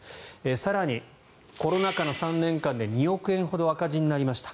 更に、コロナ禍の３年間で２億円ほど赤字になりました。